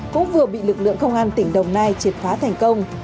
cũng vừa bị lực lượng không an tỉnh đồng nai triệt khóa thành công